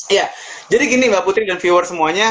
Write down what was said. iya jadi gini mbak putri dan viewer semuanya